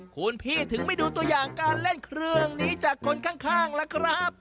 คุณพี่ถึงไม่ดูตัวอย่างการเล่นเครื่องนี้จากคนข้างล่ะครับ